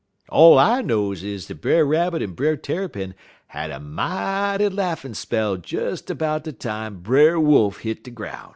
All I knows is dat Brer Rabbit en Brer Tarrypin had a mighty laughin' spell des 'bout de time Brer Wolf hit de groun'."